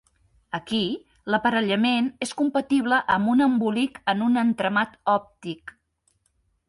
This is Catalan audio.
Aquí, l'aparellament és compatible amb un embolic en un entramat òptic.